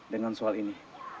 dengan soal ini